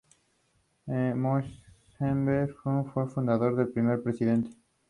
Brent Forrester escribió "El limonero de Troya", su segundo episodio de "Los Simpson".